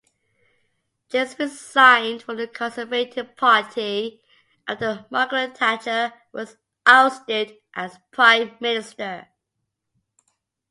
James resigned from the Conservative Party after Margaret Thatcher was ousted as Prime Minister.